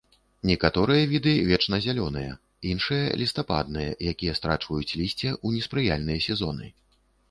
Некаторыя віды вечназялёныя, іншыя лістападныя, якія страчваюць лісце ў неспрыяльныя сезоны.